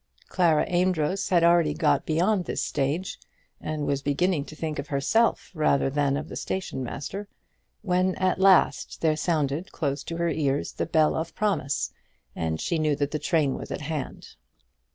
Clara Amedroz had already got beyond this stage, and was beginning to think of herself rather than of the station master, when at last there sounded, close to her ears, the bell of promise, and she knew that the train was at hand.